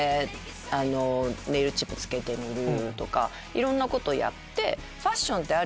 いろんなことやって。